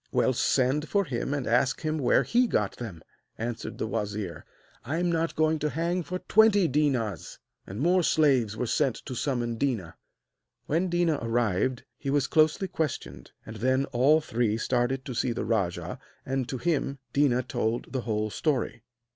'Well, send for him and ask him where he got them,' answered the wazir. 'I am not going to hang for twenty Dénas!' And more slaves were sent to summon Déna. When Déna arrived he was closely questioned, and then all three started to see the rajah, and to him Déna told the whole story.